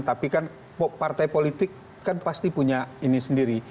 tapi kan partai politik kan pasti punya ini sendiri